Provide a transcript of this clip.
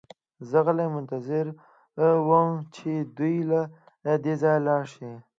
زه غلی منتظر وم چې دوی له دې ځایه لاړ شي